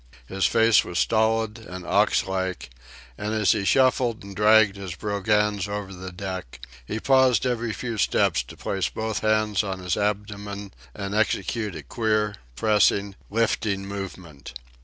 His face was stolid and ox like, and as he shuffled and dragged his brogans over the deck he paused every several steps to place both hands on his abdomen and execute a queer, pressing, lifting movement.